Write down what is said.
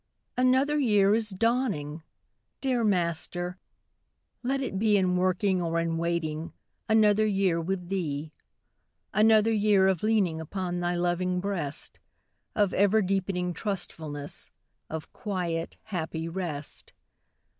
Another year is dawning! Dear Master, let it be In working or in waiting, Another year with Thee. Another year of leaning Upon Thy loving breast, Of ever deepening trustfulness, Of quiet, happy rest.